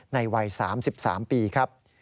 ในวัย๓๓ปีครับ